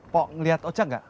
pok ngeliat ojak gak